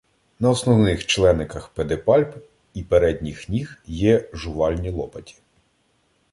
На основних члениках педипальп і передніх ніг є жувальні лопаті.